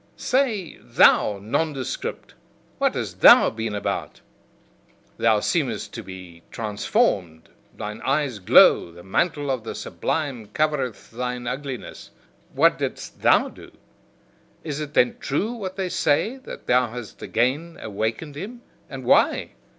"Say, thou nondescript, what hast thou been about! Thou seemest to me transformed, thine eyes glow, the mantle of the sublime covereth thine ugliness: WHAT didst thou do? Is it then true what they say, that thou hast again awakened him? And why?